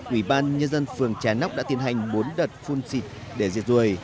ủy ban nhân dân phường trà nóc đã tiến hành bốn đợt phun xịt để diệt ruồi